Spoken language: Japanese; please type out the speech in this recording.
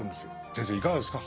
先生いかがですか？